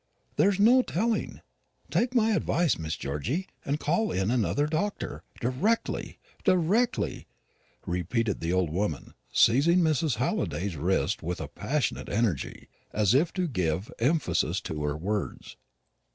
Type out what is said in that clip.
There's no telling. Take my advice, Miss Georgy, and call in another doctor directly directly," repeated the old woman, seizing Mrs. Halliday's wrist with a passionate energy, as if to give emphasis to her words.